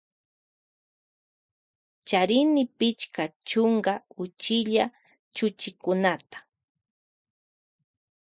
Charini pichka chunka uchilla chuchikunata.